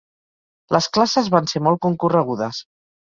Les classes van ser molt concorregudes.